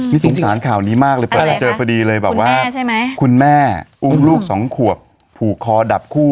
นี่สงสารข่าวนี้มากเลยเปิดมาเจอพอดีเลยแบบว่าคุณแม่อุ้มลูกสองขวบผูกคอดับคู่